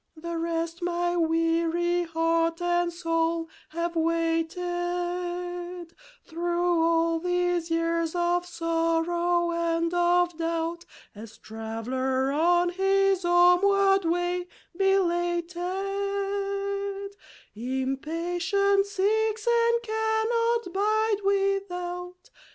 The rest my weary heart and soul have waited Through all these years of sorrow and of doubt; As traveller on his homeward way, belated, Impatient seeks and can not bide without.